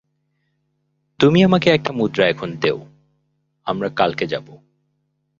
তুমি আমাকে একটা মুদ্রা এখন দেও, আমরা কালকে যাবো।